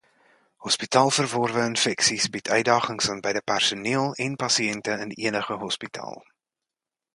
Hospitaalverworwe infeksies bied uitdagings aan beide personeel en pasiënte in enige hospitaal.